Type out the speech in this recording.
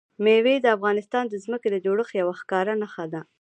مېوې د افغانستان د ځمکې د جوړښت یوه ښکاره نښه ده.